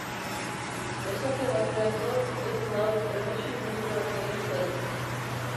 Esate baterako, ez nauk erreximentuaz oroitzen.